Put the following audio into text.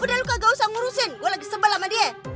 udah lu kagak usah ngurusin gue lagi sebel sama dia